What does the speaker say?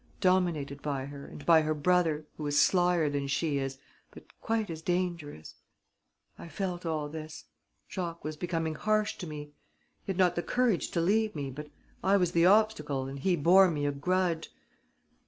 dominated by her and by her brother, who is slyer than she is, but quite as dangerous ... I felt all this ... Jacques was becoming harsh to me.... He had not the courage to leave me, but I was the obstacle and he bore me a grudge....